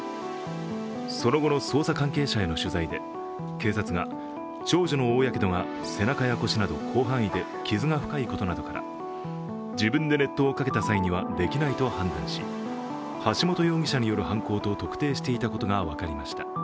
その後の捜査関係者への取材で警察が、長女の大やけどが背中や腰など広範囲で傷が深いことなどから自分で熱湯をかけた際にはできないと判断し橋本容疑者による犯行と特定していたことが分かりました。